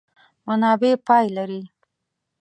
منابع پای لري.